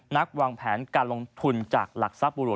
วางแผนการลงทุนจากหลักทรัพย์บุรุษ